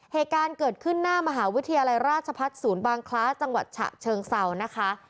เหตุการณ์เกิดขึ้นหน้ามหาวิทยาลัยราชพัฒน์ศูนย์บางคล้าจังหวัดฉะเชิงเซานะคะ